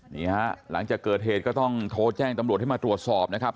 หลังจากเกิดเหตุก็ต้องโทรแจ้งตำรวจให้มาตรวจสอบนะครับ